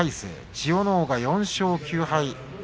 千代ノ皇が４勝９敗。